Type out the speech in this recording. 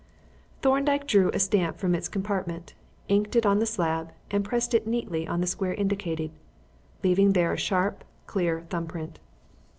Thorndyke drew a stamp from its compartment, inked it on the slab, and pressed it neatly on the square indicated, leaving there a sharp, clear thumb print.